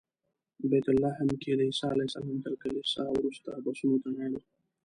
بیت لحم کې د عیسی علیه السلام تر کلیسا وروسته بسونو ته لاړو.